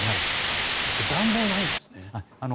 そっか、暖房ないんですね。